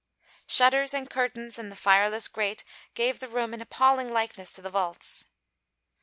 Shutters and curtains and the fireless grate gave the room an appalling likeness to the vaults.